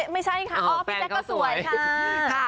ไม่ใช่ค่ะอ๋อพี่แจ๊กก็สวยค่ะ